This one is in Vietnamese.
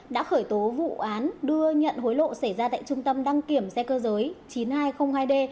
đã khởi tố vụ án đưa nhận hối lộ xảy ra tại trung tâm đăng kiểm xe cơ giới chín nghìn hai trăm linh hai d